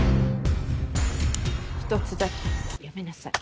ひとつだけやめなさい。